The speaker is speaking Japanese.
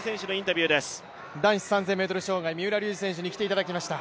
男子３０００ｍ障害三浦龍司選手に来ていただきました